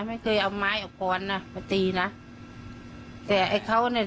ไม่เคยเอาไม้เอาปอนนะมาตีนะแต่ไอ้เขาเนี่ย